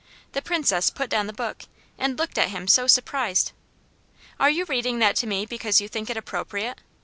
The Princess put down the book and looked at him so surprised. "Are you reading that to me because you think it appropriate?"